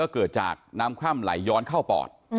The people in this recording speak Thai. เกิดจากน้ำคร่ำไหลย้อนเข้าปอด